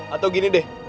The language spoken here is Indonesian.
atau gini deh